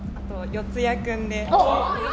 四谷君で。